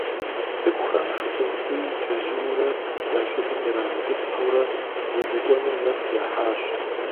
ЦӀыкӀухэм ШыкъумцӀий чэзууэ я щӀыбым ирагъэтӀысхьэурэ зыдэкӀуэнум нэс яхьащ.